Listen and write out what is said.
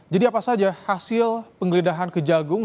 jadi apa saja hasil penggeledahan kejagung